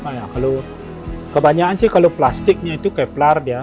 ya kalau kebanyakan sih kalau plastiknya itu keplar ya